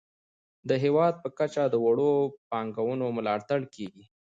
د هیواد په کچه د وړو پانګونو ملاتړ کیږي.